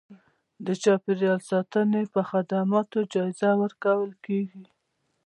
د چاپیریال ساتنې پر خدماتو جایزه ورکول کېږي.